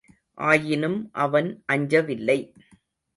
ஆயினும் அவன் அஞ்சவில்லை.